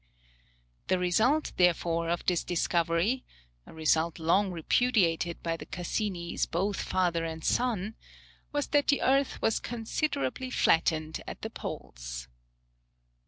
The result, therefore, of this discovery (a result long repudiated by the Cassinis, both father and son), was that the earth was considerably flattened at the poles.